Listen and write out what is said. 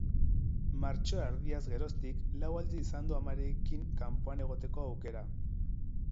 Martxoa erdiaz geroztik, lau aldiz izan du amarekin kanpoan egoteko aukera.